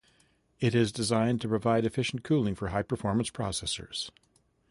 It is designed to provide efficient cooling for high-performance processors.